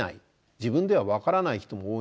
自分では分からない人も多いんですよね。